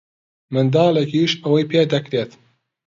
منداڵێکیش ئەوەی پێ دەکرێت.